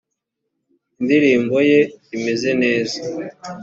indirimbo ye imeze neza.